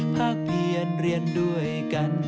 ภาคเพียรเรียนด้วยกัน